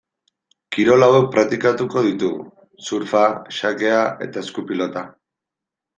Kirol hauek praktikatuko ditugu: surfa, xakea eta eskupilota.